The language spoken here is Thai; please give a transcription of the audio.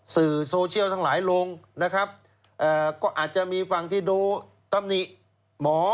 สื่อโซเชียลทั้งหลายลงนะครับก็อาจจะมีฝั่งที่ดูตำหนิหมอ